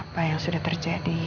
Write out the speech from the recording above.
apa yang sudah terjadi pada saat ini